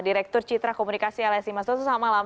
direktur citra komunikasi lsi mas toto selamat malam